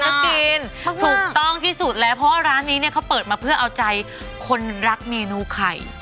ถูกต้องที่สุดแล้วเพราะว่าร้านนี้เนี่ยเขาเปิดมาเพื่อเอาใจคนรักเมนูไข่